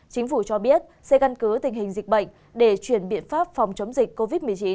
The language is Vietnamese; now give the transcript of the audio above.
chính phủ cho biết sẽ căn cứ tình hình dịch bệnh để chuyển biện pháp phòng chống dịch covid một mươi chín